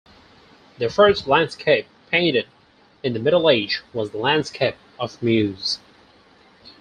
The first landscape painted in the Middle-Age was the landscape of Meuse.